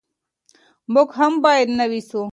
موږ هم باید نوي سو.